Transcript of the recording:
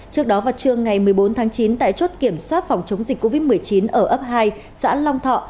trước đó vào trưa ngày một mươi bốn tháng chín tại chốt kiểm soát phòng chống dịch covid một mươi chín ở ấp hai xã long thọ